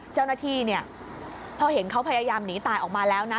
เจ้าหน้าที่เนี่ยพอเห็นเขาพยายามหนีตายออกมาแล้วนะ